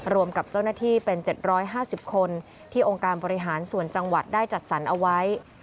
กับเจ้าหน้าที่เป็น๗๕๐คนที่องค์การบริหารส่วนจังหวัดได้จัดสรรเอาไว้